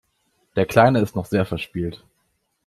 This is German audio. Der Kleine ist noch sehr verspielt.